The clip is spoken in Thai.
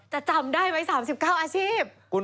จำได้ไหม๓๙อาชีพ